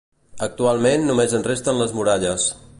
Actualment només en resten les muralles.